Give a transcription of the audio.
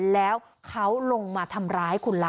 แล้วเขาลงมาทำร้ายคุณล่ะ